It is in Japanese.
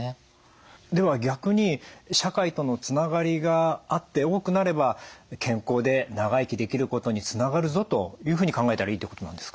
では逆に社会とのつながりがあって多くなれば健康で長生きできることにつながるぞというふうに考えたらいいってことなんですか？